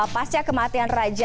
pasca kematian raja